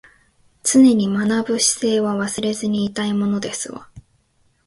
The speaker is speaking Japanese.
常に学ぶ姿勢は忘れずにいたいものですわ